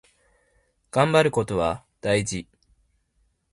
がんばることは大事。